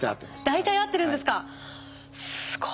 大体合ってるんですか！